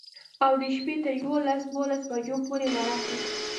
او د شپي تر يوولس دولسو بجو پورې ورقې.